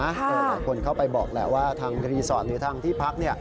หลายคนเข้าไปบอกแหละว่าทางรีสอร์ทหรือทางที่พัก